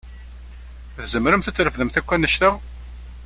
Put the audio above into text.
Tzemremt ad trefdemt akk annect-a?